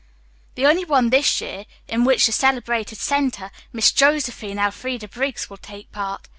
"The only one this year in which the celebrated center, Miss Josephine Elfreda Briggs, will take part.